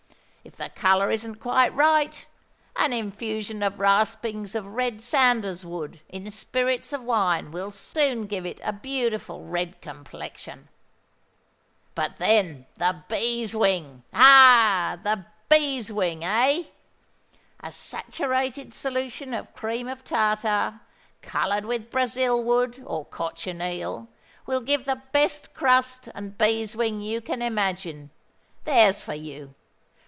If the colour isn't quite right, an infusion of raspings of red sandars wood in spirits of wine will soon give it a beautiful red complexion. But then the bees' wing. Ha! the bees' wing—eh! A saturated solution of cream of tartar, coloured with Brazil wood or cochineal, will give the best crust and bees' wing you can imagine. There's for you!